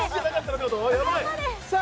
さあ